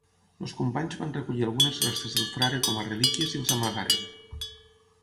Els companys van recollir algunes restes del frare com a relíquies i els amagaren.